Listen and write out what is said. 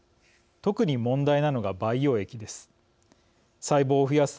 特に問題なのが培養液です。